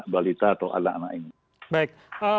balita atau anak anak ini baik